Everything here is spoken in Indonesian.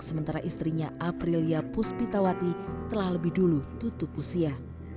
sementara istrinya aprilia puspitawati telah lebih dulu tutup usia